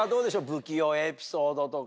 不器用エピソードとか。